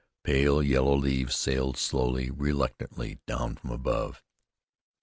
Pale yellow leaves sailed slowly, reluctantly down from above.